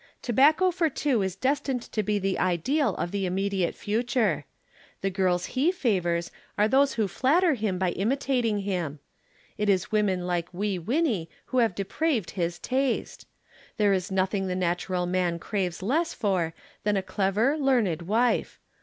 Tobacco for two is destined to be the ideal of the immediate future. The girls he favors are those who flatter him by imitating him. It is women like Wee Winnie who have depraved his taste. There is nothing the natural man craves less for than a clever, learned wife.